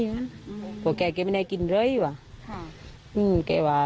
เขาบอกว่าเขาไม่ได้กินอะไรว่ะ